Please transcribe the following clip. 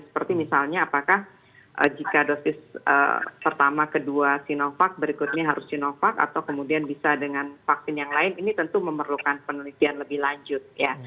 seperti misalnya apakah jika dosis pertama kedua sinovac berikutnya harus sinovac atau kemudian bisa dengan vaksin yang lain ini tentu memerlukan penelitian lebih lanjut ya